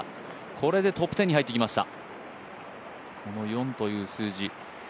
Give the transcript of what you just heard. これでトップ１０に入ってきました。